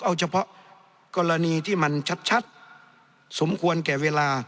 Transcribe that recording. เอาเฉพาะกรณีที่มันชัดสมควรแก่เวลา